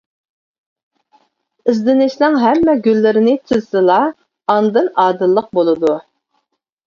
ئىزدىنىشنىڭ ھەممە گۈللىرىنى تىزسىلا، ئاندىن ئادىللىق بولىدۇ.